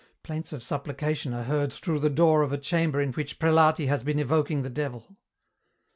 Plaints of supplication are heard through the door of a chamber in which Prelati has been evoking the Devil.